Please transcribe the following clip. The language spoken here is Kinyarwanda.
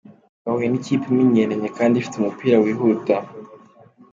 Twahuye n’ikipe imenyeranye kandi ifite umupira wihuta.